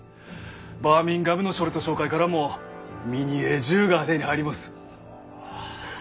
バーミンガムのショルト商会からもミニエー銃が手に入りもす。